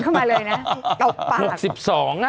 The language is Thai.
เข้ามาเลยนะ